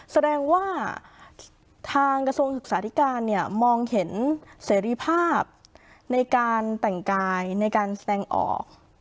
แสดงว่าทางกระทรวงศึกษาธิการเนี่ยมองเห็นเสรีภาพในการแต่งกายในการแสดงออก